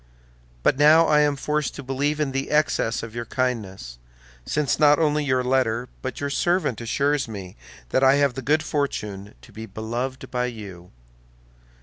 But now I am forced to believe in the excess of your kindness, since not only your letter but your servant assures me that I have the good fortune to be beloved by you.